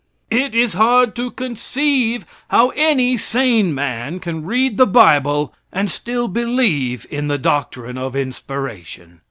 It is hard to conceive how any sane man can read the bible and still believe in the doctrine of inspiration.